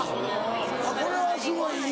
これはすごいいい。